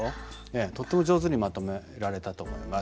ええとっても上手にまとめられたと思います。